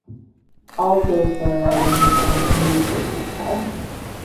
Ill goes for a ride in his son's newly purchased car.